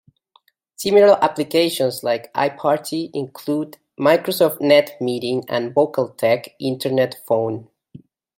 Similar applications like iParty include Microsoft NetMeeting and VocalTec Internet Phone.